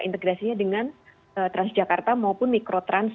integrasinya dengan transjakarta maupun mikrotrans